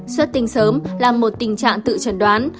xuất tinh sớm là một tình trạng tự trần đoán